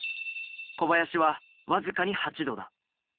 小林は僅かに８度だ。